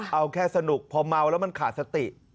เอาแค่สนุกพอเมาแล้วมันขาดสติ